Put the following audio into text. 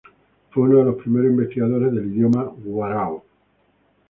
Fue uno de los primeros investigadores del idioma warao.